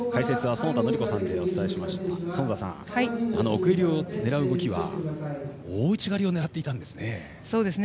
園田さん、奥襟を狙う動きは大内刈りを狙っていたんですね。